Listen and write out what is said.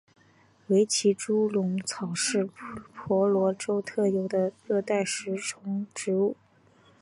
维奇猪笼草是婆罗洲特有的热带食虫植物。